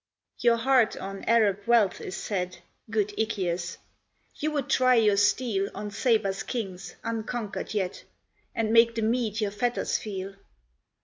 Your heart on Arab wealth is set, Good Iccius: you would try your steel On Saba's kings, unconquer'd yet, And make the Mede your fetters feel.